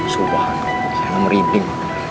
subhanallah saya merinding